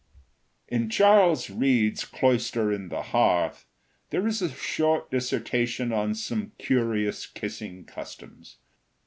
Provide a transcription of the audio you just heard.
In Charles Reade's "Cloister and the Hearth," there is a short dissertation on some curious kissing customs.